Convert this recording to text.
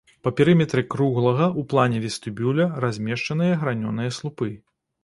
Па перыметры круглага ў плане вестыбюля размешчаныя гранёныя слупы.